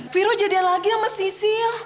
viro jadian lagi sama sisi